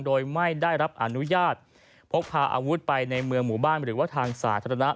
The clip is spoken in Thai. โดยไม่ได้รับอนุญาตพกพาอาวุธไปในเมืองหมู่บ้านหรือว่าทางสาธารณะ